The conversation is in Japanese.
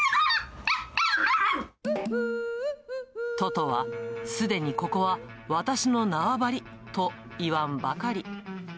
トトは、すでにここは私の縄張りと言わんばかり。